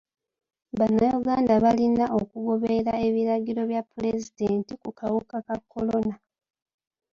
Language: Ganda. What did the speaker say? Bannayuganda balina okugoberera ebiragiro bya pulezidenti ku kawuka ka kolona.